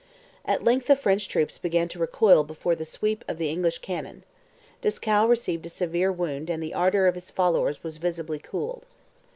At length the French troops began to recoil before the sweep of the English cannon. Dieskau received a severe wound and the ardour of his followers was visibly cooled.